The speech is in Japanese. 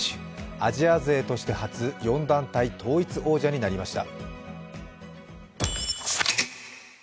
アジア勢として初４団体統一王者になりました。